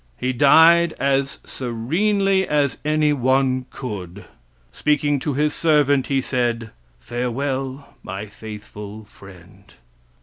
He died as serenely as anyone could. Speaking to his servant, he said, "Farewell my faithful friend."